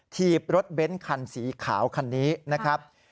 ถีบรถเบ้นคันสีขาวคันนี้นะครับ